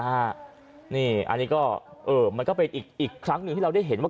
อันนี้ก็มันก็เป็นอีกครั้งหนึ่งที่เราได้เห็นว่า